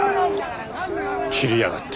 切りやがった。